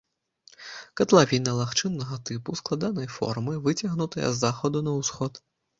Катлавіна лагчыннага тыпу, складанай формы, выцягнутая з захаду на ўсход.